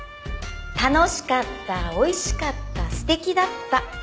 楽しかったおいしかった素敵だった。